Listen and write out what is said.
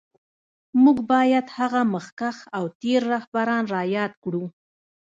موږ باید هغه مخکښ او تېر رهبران را یاد کړو